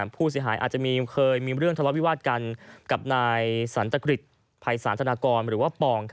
ผู้เสียหายอาจจะเคยมีเรื่องทะเลาวิวาสกันกับนายสันตกริษภัยศาลธนากรหรือว่าปอง